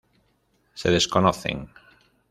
Se desconocen.